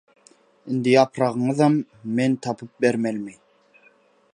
«Indi ýapragyňyzam men tapyp bermelimi?»